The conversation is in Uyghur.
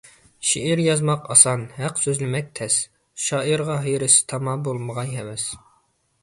شېئىر يازماق ئاسان، ھەق سۆزلىمەك تەس، شائىرغا ھېرىس تاما بولمىغاي ھەۋەس.